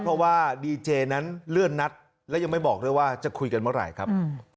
เพราะว่าดีเจนั้นเลื่อนนัดและยังไม่บอกด้วยว่าจะคุยกันเมื่อไหร่ครับ